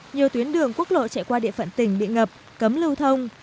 nhiều tuyến đường quốc lộ chạy qua địa phận tỉnh bị ngập cấm lưu thông